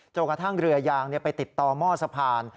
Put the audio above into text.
กระทั่งเรือยางไปติดต่อหม้อสะพาน